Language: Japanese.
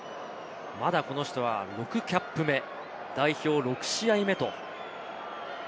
まだこの人は６キャップ目、代表６試合目。